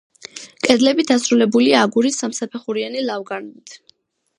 კედლები დასრულებულია აგურის სამსაფეხურიანი ლავგარდნით.